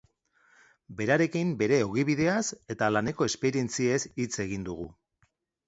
Berarekin bere ogibideaz eta laneko esperientziez hitz egin dugu.